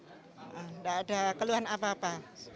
tidak ada keluhan apa apa